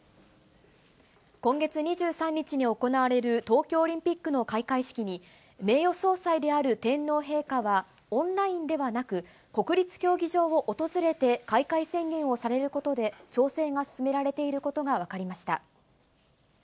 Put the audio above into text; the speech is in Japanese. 今月２３日に行われる東京オリンピックの開会式に、名誉総裁である天皇陛下は、オンラインではなく、国立競技場を訪れて開会宣言をされることで、調整が進められていることが分かりました。